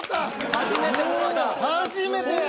初めてや。